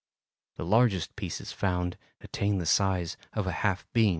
The largest pieces found attain the size of a half bean."